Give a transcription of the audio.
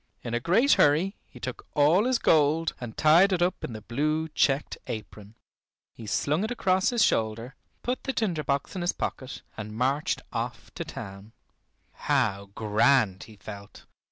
In a great hurry he took all his gold and tied it up in the blue checked apron. He slung it across his shoulder, put the tinder box in his pocket, and marched off to town. How grand he felt!